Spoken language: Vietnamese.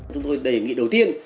chúng tôi đề nghị đầu tiên